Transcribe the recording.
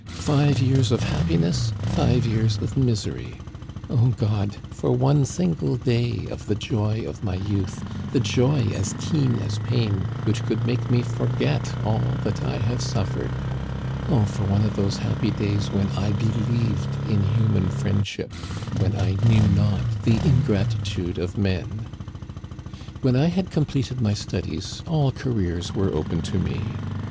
Five years of happiness ! Five years of misery ! O God ! for one single day of the joy of my youth, the joy as keen as pain, which could make me forget all that I have suffered ! Oh, for one of those happy days when I be lieved in human friendship, when I knew not the in gratitude of men ! "When I had completed my studies, all careers were open to me.